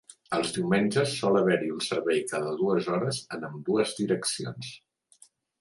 Els diumenges sol haver-hi un servei cada dues hores en ambdues direccions.